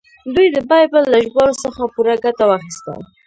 دوی د بایبل له ژباړو څخه پوره ګټه واخیسته.